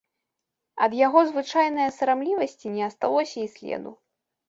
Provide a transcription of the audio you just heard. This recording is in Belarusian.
Ад яго звычайнае сарамлівасці не асталося і следу.